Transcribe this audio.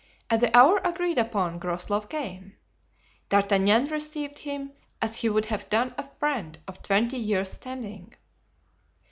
At the hour agreed upon Groslow came. D'Artagnan received him as he would have done a friend of twenty years' standing.